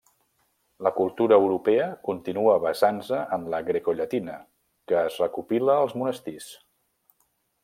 La cultura europea continua basant-se en la grecollatina, que es recopila als monestirs.